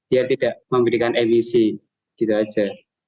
ya tidak memberikan emisi gitu aja